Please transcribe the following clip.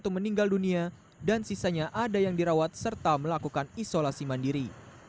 dua ratus enam puluh satu meninggal dunia dan sisanya ada yang dirawat serta melakukan isolasi mandiri